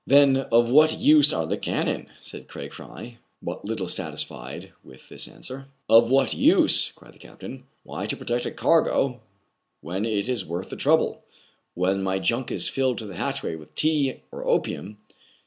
" Then of what use are the cannon ?said Craig Fry, but little satisfied with this answer. " Of what use ?cried the captain. " Why, to protect a cargo when it is worth the trouble, — when my junk is filled to the hatchway with tea or opium.